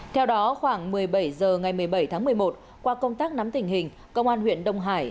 theo đó khoảng một mươi bảy h ngày một mươi bảy tháng một mươi một qua công tác nắm tình hình công an huyện đông hải